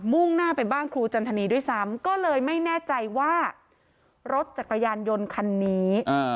่งหน้าไปบ้านครูจันทนีด้วยซ้ำก็เลยไม่แน่ใจว่ารถจักรยานยนต์คันนี้